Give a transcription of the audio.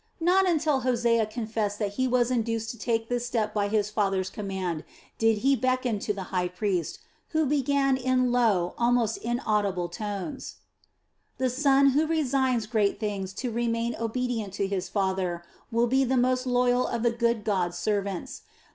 Not until Hosea confessed that he was induced to take this step by his father's command did he beckon to the high priest, who began in low, almost inaudible tones: "The son who resigns great things to remain obedient to his father will be the most loyal of the 'good god's' servants.